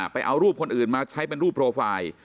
ไปเอารูปคนอื่นมาใช้เป็นรูปโปรไฟล์